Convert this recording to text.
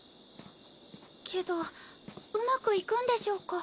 けどうまくいくんでしょうか？